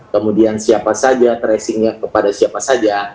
kemudian siapa saja tracingnya kepada siapa saja